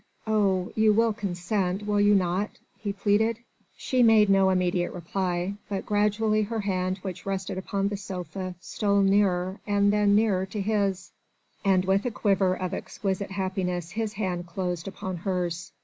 Oh! you will consent, will you not?" he pleaded. She made no immediate reply, but gradually her hand which rested upon the sofa stole nearer and then nearer to his; and with a quiver of exquisite happiness his hand closed upon hers.